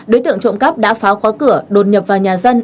đối tượng trộm cắp đã pháo khóa cửa đột nhập vào nhà dân